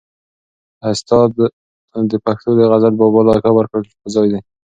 استاد ته د پښتو د غزل د بابا لقب ورکول په ځای دي.